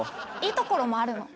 いいところもあるの。